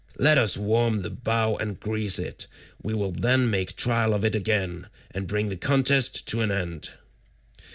Let us warm the bow and grease it—we will then make trial of it again, and bring the contest to an end."